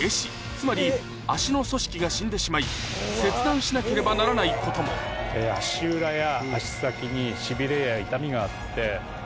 つまり足の組織が死んでしまい切断しなければならないことも足裏や足先に。